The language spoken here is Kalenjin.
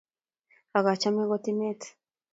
Ak achame kot ineta